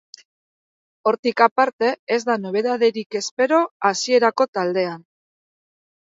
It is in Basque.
Hortik aparte, ez da nobedaderik espero hasierako taldean.